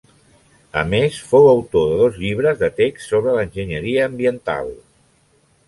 A més, fou autor de dos llibres de texts sobre l'enginyeria ambiental.